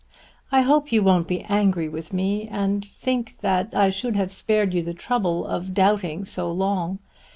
I hope you won't be angry with me and think that I should have spared you the trouble of doubting so long.